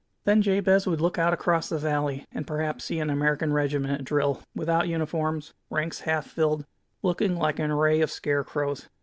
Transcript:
Then Jabez would look out across the valley, and perhaps see an American regiment at drill, without uniforms, ranks half filled, looking like an array of scarecrows.